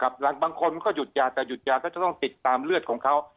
บางคนก็หยุดยาแต่หยุดยาก็จะต้องติดตามเลือดของเขา